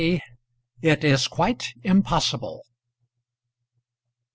IT IS QUITE IMPOSSIBLE.